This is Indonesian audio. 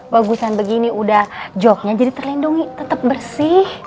bagusan begini udah joknya jadi terlindungi tetep bersih